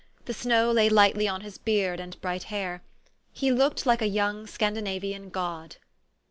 The snow lay lightly on his beard and bright hair. He looked like a young Scandinavian god.